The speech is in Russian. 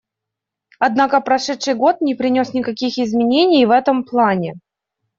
Однако прошедший год не принес никаких изменений в этом плане.